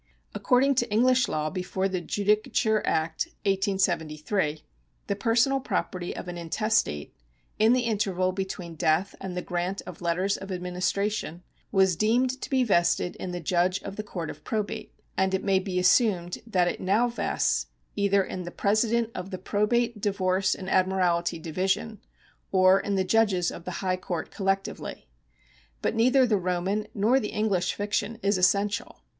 According to English law before the Judicature Act, 1873, the personal property of an intestate, in the interval between death and the grant of letters of administration, was deemed to be vested in the Judge of the Court of Probate, and it may be assumed that it now vests either in the President of the Probate, Divorce and Admiralty Division, or in the Judges of the High Court collectively. But neither the Roman nor the English fiction is essential.